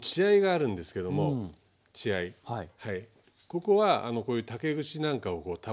ここはこういう竹串なんかを束ねて。